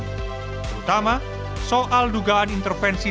terutama soal dugaan intervensi